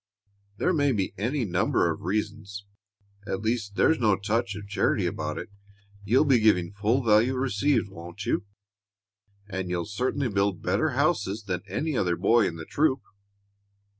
There may be any number of reasons. At least there's no touch of charity about it. You'll be giving full value received, won't you? And you certainly build better houses than any other boy in the troop."